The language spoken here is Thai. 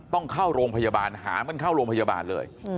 ต้องเข้าโรงพยาบาลหามันเข้าโรงพยาบาลเลย